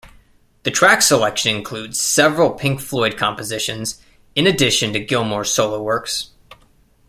The track selection includes several Pink Floyd compositions in addition to Gilmour's solo works.